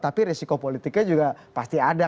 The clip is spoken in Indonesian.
tapi resiko politiknya juga pasti ada